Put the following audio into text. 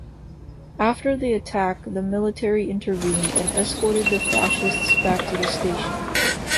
After the attack the military intervened and escorted the fascists back to the station.